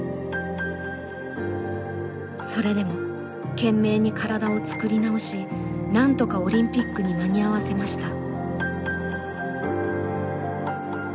それでも懸命に体を作り直しなんとかオリンピックに間に合わせました。